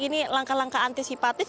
ini langkah langkah antisipatif